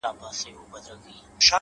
ستـړو ارمانـونو په آئينـه كي راتـه وژړل”